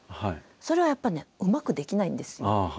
それはやっぱねうまくできないんですよ